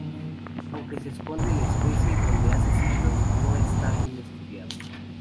Aunque se conoce la especie desde hace siglos, no está bien estudiado.